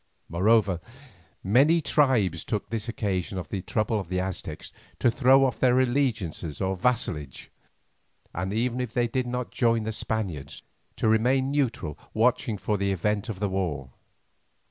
Moreover, many tribes took this occasion of the trouble of the Aztecs to throw off their allegiance or vassalage, and even if they did not join the Spaniards, to remain neutral watching for the event of the war.